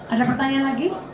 ada pertanyaan lagi